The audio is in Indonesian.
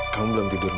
kamu belum tidur